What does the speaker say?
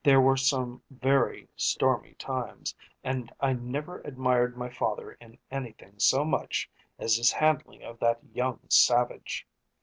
There were some very stormy times, and I never admired my father in anything so much as his handling of that young savage.